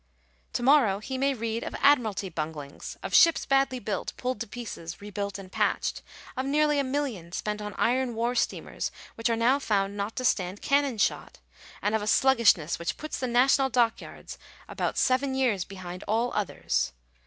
To morrow he may read of Admiralty bunglings — of ships badly built, pulled to pieces, re built and patched — of nearly a million spent on iron war steamers which are now found not to stand cannon shot — and of a sluggishness which puts the national dockyards " about seven years " behind all others.